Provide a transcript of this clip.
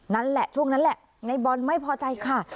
นั่นแหละช่วงนั้นแหละในบอลไม่พอใจค่ะ